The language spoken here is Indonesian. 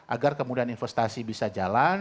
agar kemudian investasi bisa jalan